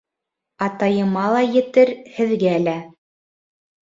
Атайыма ла етер, һеҙгә лә...